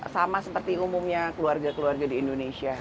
sama seperti umumnya keluarga keluarga di indonesia